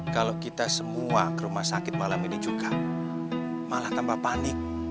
kalau kita semua ke rumah sakit malam ini juga malah tambah panik